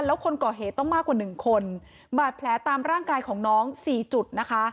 แล้วคนก่อเหตุต้องมากกว่าหนึ่งคนบาดแผลตามร่างกายของน้องสี่จุดนะคะ